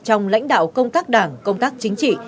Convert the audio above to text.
trong lãnh đạo công tác đảng công tác chính trị